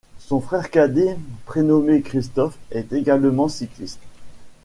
Son frère cadet prénommé Christophe est également cycliste.